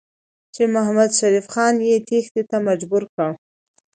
چې محمدشریف خان یې تېښتې ته مجبور کړ.